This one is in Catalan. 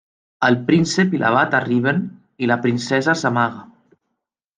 El príncep i l'abat arriben, i la princesa s'amaga.